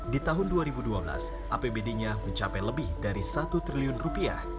di tahun dua ribu dua belas apbd nya mencapai lebih dari satu triliun rupiah